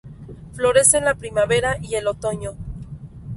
Florece en la primavera y el otoño.